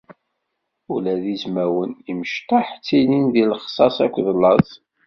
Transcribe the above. Ula d izmawen imecṭaḥ ttilin di leṣxaṣ akked laẓ.